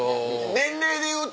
年齢でいうと。